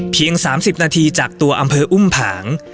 เพียงสามสิบนาทีจากตัวอำเภออุ่มผาง